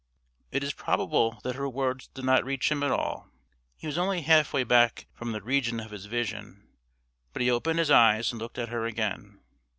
It is probable that her words did not reach him at all. He was only half way back from the region of his vision; but he opened his eyes and looked at her again.